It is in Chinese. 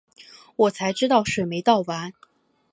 我才知道水没倒完